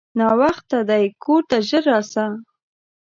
ناوخته دی کورته ژر راسه!